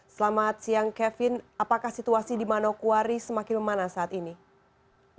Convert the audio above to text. selamat siang kevin apakah situasi di manokwari semakin memanas saat ini